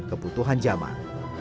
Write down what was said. dan kebutuhan zaman